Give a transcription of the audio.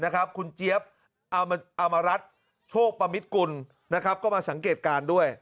คุณเจี๊ยบอมรัฐโชคปมิตกุลก็มาสังเกตการณ์ด้วย